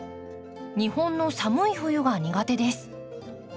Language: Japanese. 日本の寒い冬が苦手です。